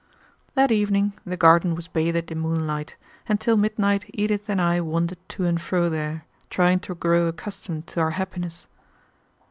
That evening the garden was bathed in moonlight, and till midnight Edith and I wandered to and fro there, trying to grow accustomed to our happiness.